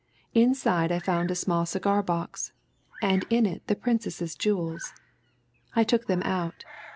Inside I found a small cigar box, and in it the Princess's jewels. I took them out.